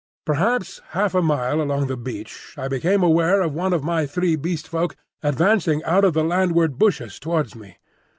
Perhaps half a mile along the beach I became aware of one of my three Beast Folk advancing out of the landward bushes towards me.